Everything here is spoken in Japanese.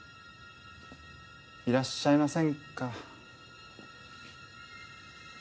いらっしゃいませんか？